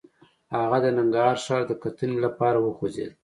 هغه د ننګرهار ښار د کتنې لپاره وخوځېد.